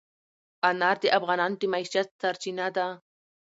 انار د افغانانو د معیشت سرچینه ده.